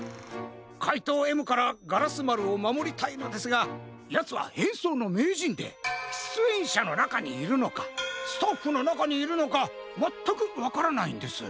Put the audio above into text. かいとうＭからガラスまるをまもりたいのですがやつはへんそうのめいじんでしゅつえんしゃのなかにいるのかスタッフのなかにいるのかまったくわからないんです。